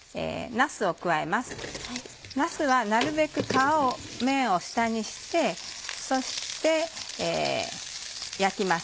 なすはなるべく皮目を下にしてそして焼きます。